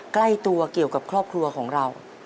ใกล้ตัวเกี่ยวกับครอบครัวของเรา